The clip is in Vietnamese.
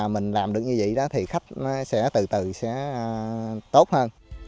mình làm được như vậy đó thì khách nó sẽ từ từ sẽ tốt hơn